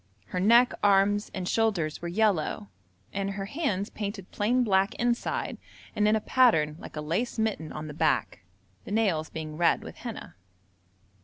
Her neck, arms, and shoulders were yellow, and her hands painted plain black inside and in a pattern like a lace mitten on the back, the nails being red with henna.